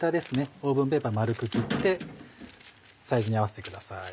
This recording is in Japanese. オーブンペーパー丸く切ってサイズに合わせてください。